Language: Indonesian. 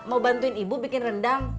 mau bantuin ibu bikin rendang